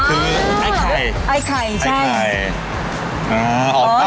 คือไอ้ไข่